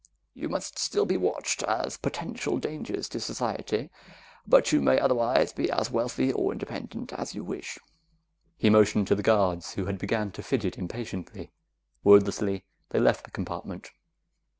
You must still be watched as potential dangers to society, but you may otherwise be as wealthy or independent as you wish." He motioned to the guards, who had begun to fidget impatiently; wordlessly they left the compartment.